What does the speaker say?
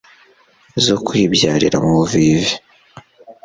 zo kwibyarira mu buvivi